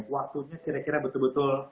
waktunya kira kira betul betul